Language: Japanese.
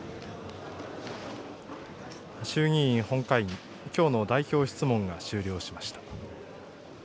衆議院本会議、きょうの代表質問が終了しました。